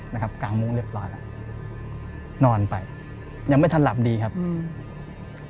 นะครับกลางมุ้งเรียบร้อยแล้วนอนไปยังไม่ทันหลับดีครับอืม